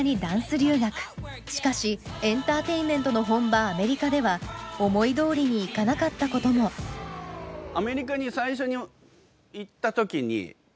しかしエンターテインメントの本場アメリカでは思いどおりにいかなかったこともアメリカに最初に行った時にぶつかった壁とかって。